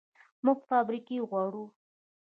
موږ فابریکې غواړو